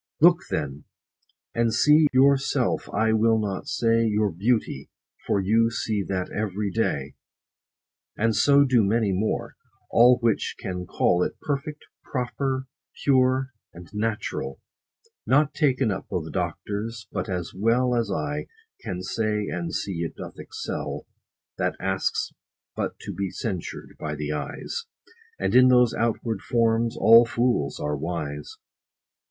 Look then, and see your self — I will not say 20 Your beauty, for you see that every day ; And so do many more : all which can call It perfect, proper, pure, and natural, Not taken up o' the doctors, but as well As I, can say and see it doth excel ; That asks but to be censured by the eyes : And in those outward forms, all fools are wise.